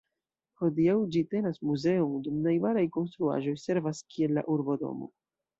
Hodiaŭ ĝi tenas muzeon, dum najbaraj konstruaĵoj servas kiel la Urbodomo.